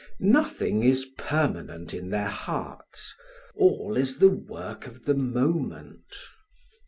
Nothing is permanent in their hearts, all is the work of the moment.